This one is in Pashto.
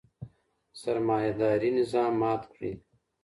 سرمایه داري نظام مات کړئ.